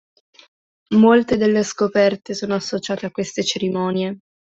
Molte delle scoperte sono associate a queste cerimonie.